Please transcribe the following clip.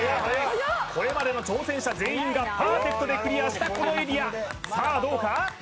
これまでの挑戦者全員がパーフェクトでクリアしたこのエリアさあどうか？